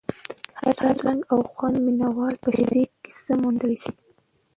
هر رنګ او خوند مینه وال په شعر کې څه موندلی شي.